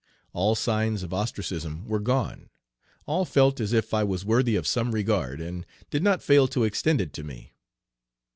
All signs of ostracism were gone. All felt as if I was worthy of some regard, and did not fail to extend it to me.